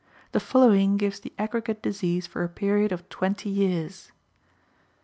The following gives the aggregate disease for a period of twenty years: Years.